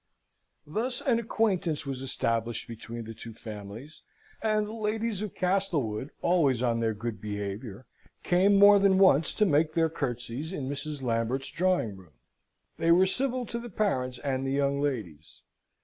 Thus an acquaintance was established between the two families, and the ladies of Castlewood, always on their good behaviour, came more than once to make their curtseys in Mrs. Lambert's drawing room. They were civil to the parents and the young ladies.